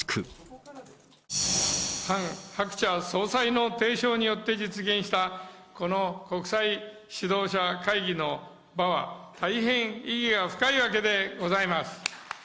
ハン・ハクチャ総裁の提唱によって実現したこの国際指導者会議の場は、大変意義が深いわけでございます。